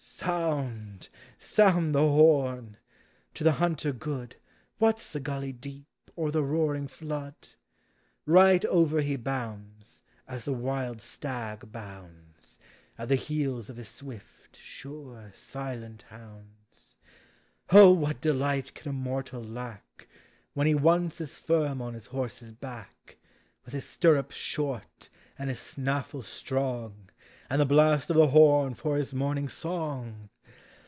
Sound! Sound the horn! To the hunter good What 's the gully deep or the roaring flood? THE SEASONS. 157 Right over he bounds, as the wild stag bounds, At the heels of his swift, sure, silent hounds. Oh, what delight can a mortal lack, When he once is firm on his horse's back, With his stirrups short, and his snaffle strong. And the blast of the horn for his morning song?